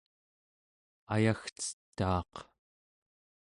ayagcetaaq